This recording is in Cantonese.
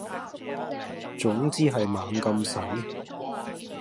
總之係猛咁使